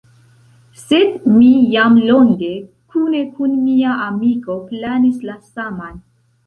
Sed mi jam longe kune kun mia amiko planis la saman.